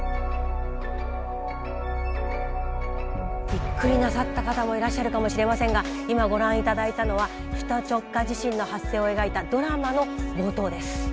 びっくりなさった方もいらっしゃるかもしれませんが今ご覧いただいたのは首都直下地震の発生を描いたドラマの冒頭です。